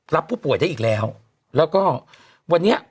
รับผู้ป่วยนี่อีกแล้วและวันนี้